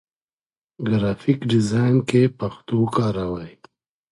ګرافيک ډيزاين کې پښتو وکاروئ.